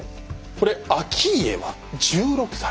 これ顕家は１６歳。